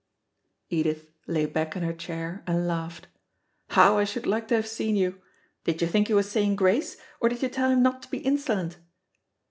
'" Edith lay back in her chair and laughed. "How I should like to have seen you! Did you think he was saying grace, or did you tell him not to be insolent?"